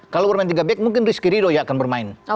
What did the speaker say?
kalau bermain tiga back mungkin rizky ridhido akan bermain